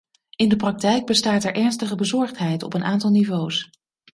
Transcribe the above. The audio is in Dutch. In de praktijk bestaat er ernstige bezorgdheid op een aantal niveaus.